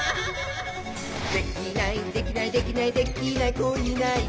「できないできないできないできない子いないか」